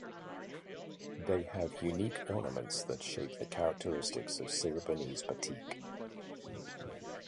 They have unique ornaments that shape the characteristics of Cirebonese batik.